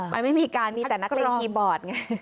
มันไม่มีการมีแต่นักเรียนคีย์บอร์ดไง